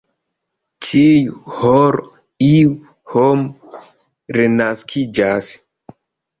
ĉiu horo, iu homo renaskiĝas?